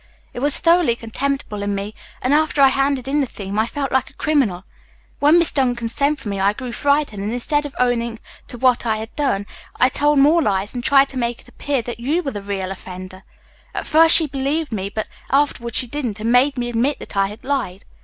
It was thoroughly contemptible in me, and after I handed in the theme I felt like a criminal. When Miss Duncan sent for me, I grew frightened and instead of owning to what I had done I told more lies and tried to make it appear that you were the real offender. At first she believed me, but afterward she didn't, and made me admit that I had lied.